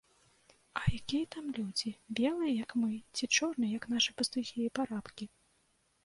А якія там людзі, белыя, як мы, ці чорныя, як нашы пастухі і парабкі?